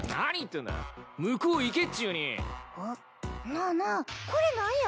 なあなあこれ何や？